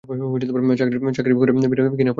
চাকরি করে কিনা পেন্টাগনে!